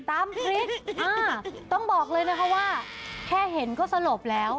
น้ำพริกอ่าต้องบอกเลยนะคะว่าแค่เห็นก็สลบแล้ว